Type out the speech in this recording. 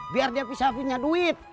biar dia bisa punya duit